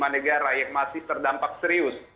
tiga puluh lima negara yang masih terdampak serius